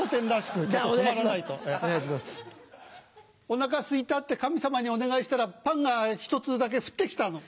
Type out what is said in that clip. お腹すいたって神様にお願いしたらパンが１つだけ降って来たの。